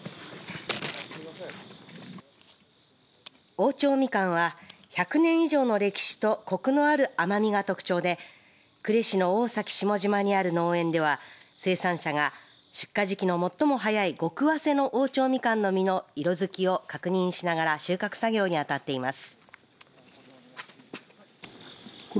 大長みかんは１００年以上の歴史とこくのある甘みが特徴で呉市の大崎下島にある農園では生産者が出荷時期の最も早い極わせの大長みかんの実の色づきを確認しながら収穫作業に当たっています。